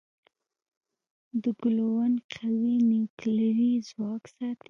د ګلوون قوي نیوکلیري ځواک ساتي.